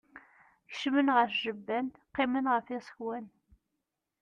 Kecmen ɣer tjebbant, qqimen ɣef yiẓekwan.